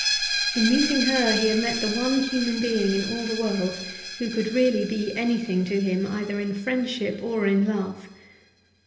In meeting her he had met the one human being in all the world who could really be anything to him either in friendship or in love.